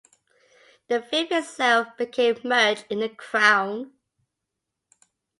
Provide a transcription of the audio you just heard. The fief itself became merged in the crown.